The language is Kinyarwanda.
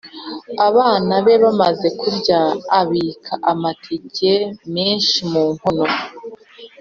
abana be bamaze kurya abika amateke menshi mu nkono,